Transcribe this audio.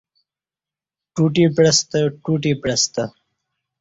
ٹوٹی پعستہ ٹوٹی پعستہ